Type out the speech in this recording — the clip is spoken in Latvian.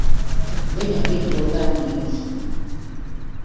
Viņa ir to pelnījusi.